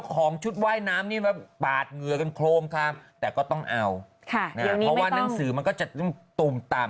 คุณแม่ไปเห็นแสงเหนือเปล่า